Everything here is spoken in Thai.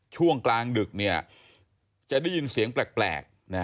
ช่วงกลางดึกจะได้ยินเสียงแปลก